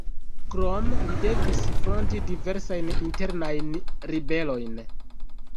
Krome li devis fronti diversajn internajn ribelojn.